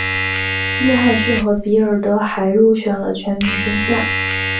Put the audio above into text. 约翰逊和比尔德还入选了全明星赛。